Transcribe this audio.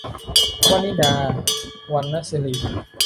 วนิดา - วรรณสิริ